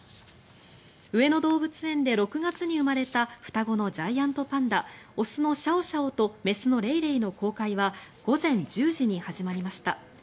上野動物園で６月に生まれた双子のジャイアントパンダ雄のシャオシャオと雌のレイレイの公開は午前１０時に始まりました。